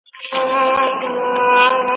جهاني کله له ډیوو سره زلمي را وزي